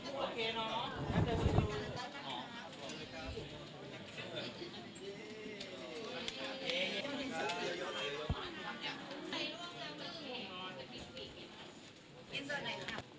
โปรดติดตามตอนต่อไป